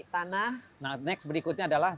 tanah nah next berikutnya adalah